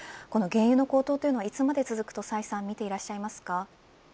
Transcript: この原油の高騰はいつまで続くと崔さん見ていらっしゃいますか。